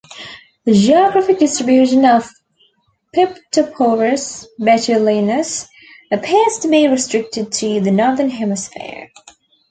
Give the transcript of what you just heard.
The geographic distribution of "Piptoporus betulinus" appears to be restricted to the Northern Hemisphere.